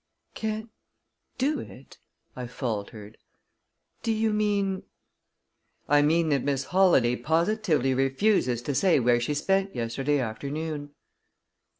"Can't do it?" I faltered. "Do you mean ?" "I mean that Miss Holladay positively refuses to say where she spent yesterday afternoon."